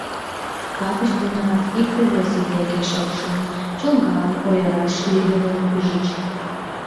Капышт денат икте-весе деке шокшын, чолган, ойыраш лийдымын пижыч.